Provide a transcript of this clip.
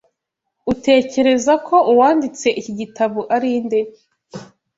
Utekereza ko uwanditse iki gitabo ari nde?